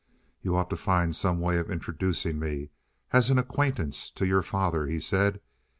"You ought to find some way of introducing me, as an acquaintance, to your father," he said.